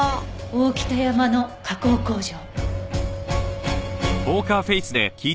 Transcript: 大北山の加工工場。